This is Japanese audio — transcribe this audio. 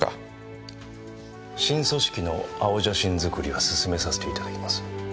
新組織の青写真作りは進めさせていただきます。